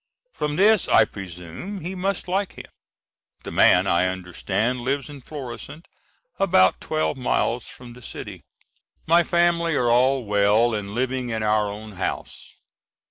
From this I presume he must like him. The man, I understand, lives in Florisant, about twelve miles from the city. My family are all well and living in our own house.